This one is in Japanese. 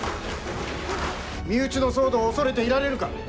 身内の騒動を恐れていられるか！